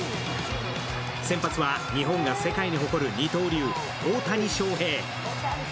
先発は日本が世界に誇る二刀流、大谷翔平。